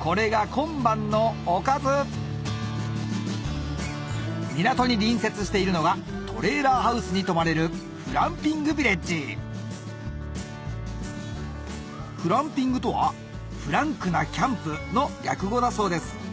これが今晩のおかず港に隣接しているのがトレーラーハウスに泊まれるフランピングとはフランクなキャンプの略語だそうです